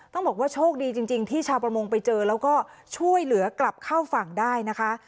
ต้องบอกว่าโชคดีจริงที่ชาวประมงไปเจอแล้วก็ช่วยเหลือกลับเข้าฝั่งได้นะคะ